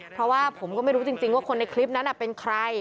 เพราะว่าผมก็ไม่รู้จริงว่าคนในคลิปนั้นเป็นใคร